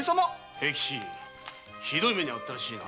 平吉ひどい目に遭ったらしいな。